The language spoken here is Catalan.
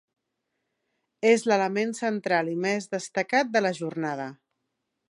És l'element central i més destacat de la jornada.